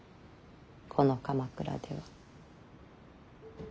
この鎌倉では。